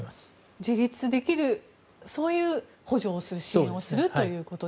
自立できるそういう補助をする支援をする。